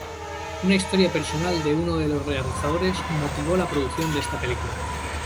Una historia personal de uno de los realizadores motivó la producción de esta película.